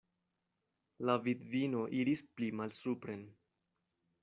La vidvino iris pli malsupren.